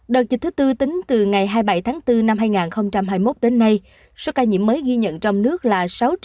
đợt dịch thứ tư tính từ ngày hai mươi bảy tháng bốn năm hai nghìn hai mươi một đến nay số ca nhiễm mới ghi nhận trong nước là sáu tám trăm một mươi hai tám trăm linh